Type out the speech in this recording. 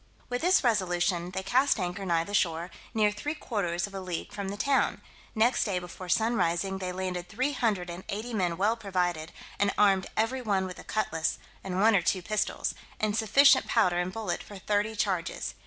With this resolution they cast anchor nigh the shore, near three quarters of a league from the town: next day before sun rising, they landed three hundred and eighty men well provided, and armed every one with a cutlass, and one or two pistols, and sufficient powder and bullet for thirty charges.